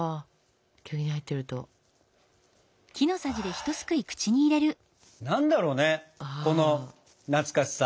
経木に入ってると。は何だろうねこの懐かしさ。